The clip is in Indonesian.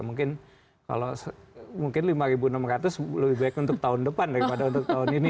mungkin kalau mungkin lima enam ratus lebih baik untuk tahun depan daripada untuk tahun ini